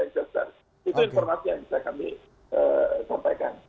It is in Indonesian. itu informasi yang bisa kami sampaikan